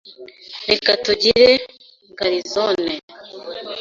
Reka tugire garizone.